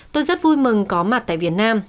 tôi rất vui mừng có mặt tại việt nam